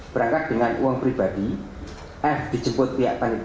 berangkat dengan uang pribadi f dijemput pihak panitia